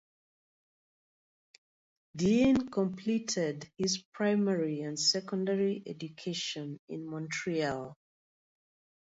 Dean completed his primary and secondary education in Montreal.